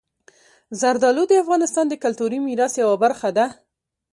زردالو د افغانستان د کلتوري میراث یوه برخه ده.